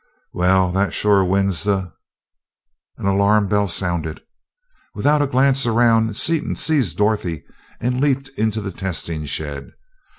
"Well, that sure wins the " An alarm bell sounded. Without a glance around, Seaton seized Dorothy and leaped into the testing shed.